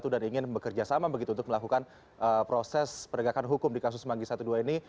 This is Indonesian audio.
dan ingin bekerja sama untuk melakukan proses penegakan hukum di kasus manggi satu dua ini